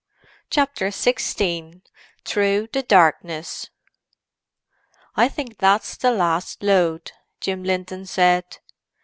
CHAPTER XVI THROUGH THE DARKNESS "I think that's the last load," Jim Linton said.